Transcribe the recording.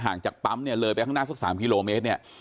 จากปั๊มเนี่ยเลยไปข้างหน้าสัก๓กิโลเมตรเนี่ย